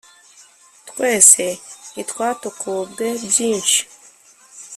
twe se ntitwatokobwe byinshi!